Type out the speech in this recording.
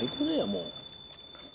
もう。